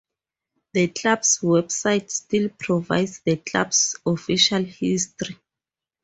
The club's website still provides the club's official history.